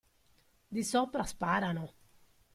Di sopra sparano!